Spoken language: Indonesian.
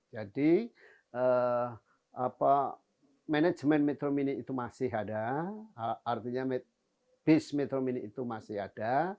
jadi manajemen metro mini itu masih ada artinya bis metro mini itu masih ada